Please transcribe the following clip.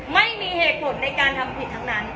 ไม่มีเหตุผลในการทำผิดทั้งนั้น